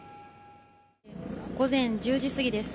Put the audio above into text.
午前１０時過ぎです。